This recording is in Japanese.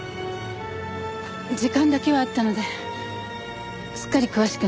時間だけはあったのですっかり詳しくなっちゃいました。